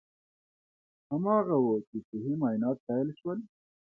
هماغه و چې صحي معاینات پیل شول.